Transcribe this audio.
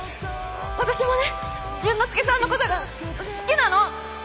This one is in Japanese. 私もね淳之介さんのことが好きなの！